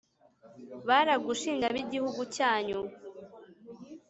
baragushimye ab’igihugu cyanyu,